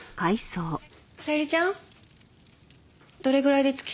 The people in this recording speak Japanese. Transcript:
小百合ちゃんどれぐらいで着きそう？